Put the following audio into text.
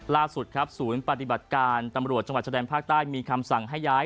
ล่าสุดครับศูนย์ปฏิบัติการตำรวจจังหวัดชะแดนภาคใต้มีคำสั่งให้ย้าย